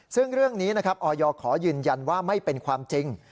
ซึ่งเรื่องนี้นะครับออยขอยืนยันว่าไม่เป็นความจริง